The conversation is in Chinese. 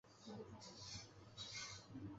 这个星系是发现的。